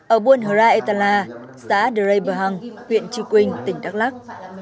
ở buôn hờ ra ê tà la xã đê rê bờ hằng huyện trị quynh tỉnh đắk lắc